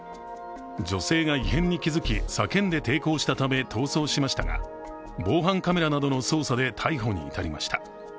女性が異変に気づき、叫んで抵抗したため逃走しましが、防犯カメラなどの捜査で逮捕にいたりました。